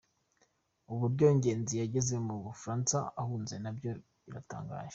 Uburyo Ngenzi yageze mu Bufaransa ahunze na byo biratangaje.